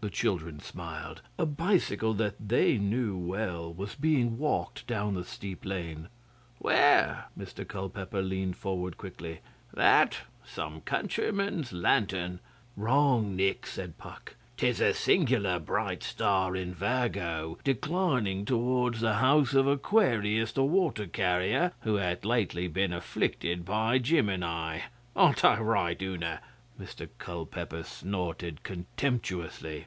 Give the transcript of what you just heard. The children smiled. A bicycle that they knew well was being walked down the steep lane. 'Where?' Mr Culpeper leaned forward quickly. 'That? Some countryman's lantern.' 'Wrong, Nick,' said Puck. ''Tis a singular bright star in Virgo, declining towards the house of Aquarius the water carrier, who hath lately been afflicted by Gemini. Aren't I right, Una?' Mr Culpeper snorted contemptuously.